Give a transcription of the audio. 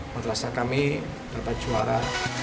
madrasah kami dapat juara